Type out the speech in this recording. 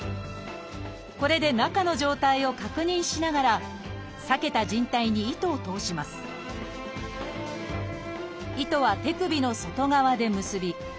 これで中の状態を確認しながら裂けた靭帯に糸を通します糸は手首の外側で結び